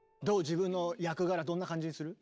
自分の役柄どんな感じする？